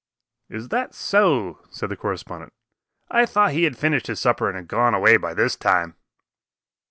"Is that so?" said the correspondent. "I thought he had finished his supper and had gone away by this time."